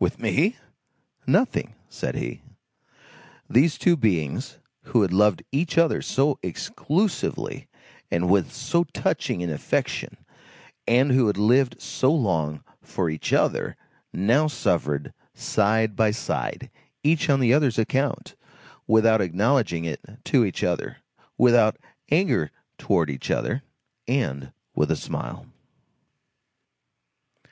"With me? Nothing," said he. These two beings who had loved each other so exclusively, and with so touching an affection, and who had lived so long for each other now suffered side by side, each on the other's account; without acknowledging it to each other, without anger towards each other, and with a smile.